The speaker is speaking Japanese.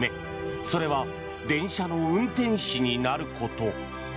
それは電車の運転士になること。